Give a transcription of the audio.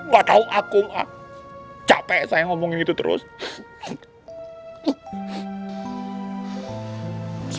gak tahu aku capek saya ngomongin itu terus